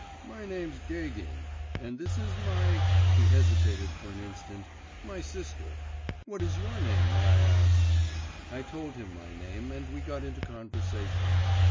My name's Gagin, and this is my ' he hesitated for an instant, 'my sister. What is your name, may I ask?' I told him my name, and we got into conversation.